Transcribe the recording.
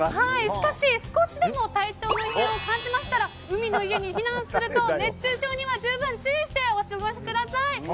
しかし、少しでも体調の異変を感じましたら海の家に避難するなど熱中症には十分注意してお過ごしください。